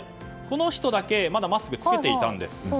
この人だけまだマスクを着けていたんです。